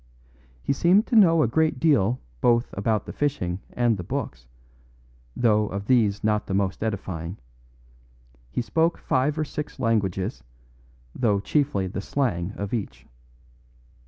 He seemed to know a great deal both about the fishing and the books, though of these not the most edifying; he spoke five or six languages, though chiefly the slang of each.